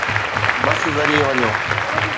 بس ذريعي وڃو